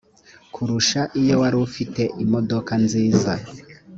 kurusha iyo wari ufite imodoka nziza